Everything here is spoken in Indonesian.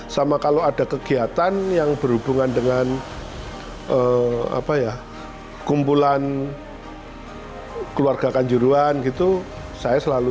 sama kalau ada kegiatan yang berhubungan dengan apa ya kumpulan keluarga kanjuruan gitu saya selalu